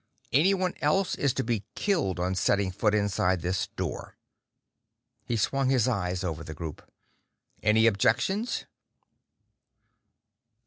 Anyone else is to be killed on setting foot inside this door!" He swung his eyes over the group. "Any objections?"